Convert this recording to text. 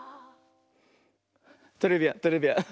トレビアントレビアン。